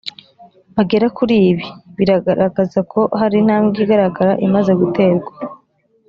bagera kuri ibi biragaragaza ko hari intambwe igaragara imaze guterwa